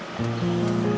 nanti ngerinya infeksi lo